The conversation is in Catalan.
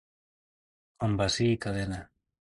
Com bací i cadena.